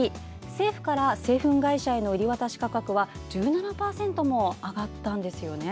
政府から製粉会社への売り渡し価格は１７％も上がったんですよね。